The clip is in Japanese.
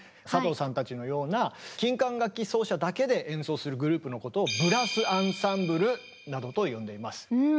佐藤さんたちのような金管楽器奏者だけで演奏するグループのことを「ブラス・アンサンブル」などと呼んでいます。